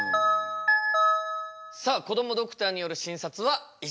さあこどもドクターによる診察は以上です。